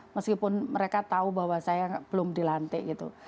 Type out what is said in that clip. meskipun mereka tahu bahwa saya belum dilantik gitu